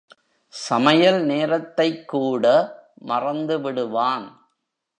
சமையல் நேரத்தைக் கூட மறந்துவிடுவான்.